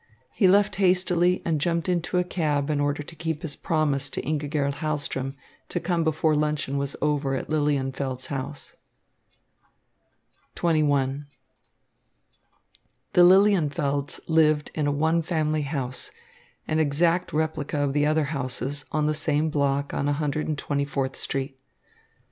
He left hastily, and jumped into a cab in order to keep his promise to Ingigerd Hahlström to come before luncheon was over at Lilienfeld's house. XXI The Lilienfelds lived in a one family house, an exact replica of the other houses on the same block on 124th Street.